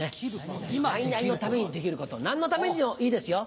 何々のためにできること何のためにでもいいですよ。